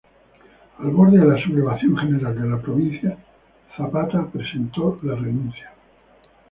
Al borde de la sublevación general de la provincia, Zapata presentó la renuncia.